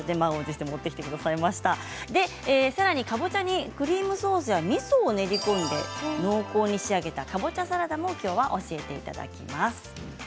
さらに、かぼちゃにクリームソースや、みそを練り込んで濃厚に仕上げたかぼちゃサラダもきょうは教えていただきます。